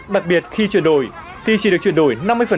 đặc biệt khi chuyển đổi thì chỉ được chuyển đổi năm mươi